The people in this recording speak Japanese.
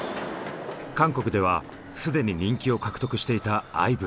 韓国では既に人気を獲得していたＩＶＥ。